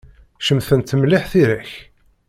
Cemtent mliḥ tira-k.